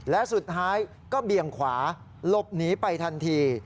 และสุดท้ายก็เบี่ยงขวาหลบหนีไปทันที